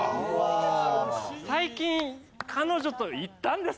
最近彼女と行ったんです！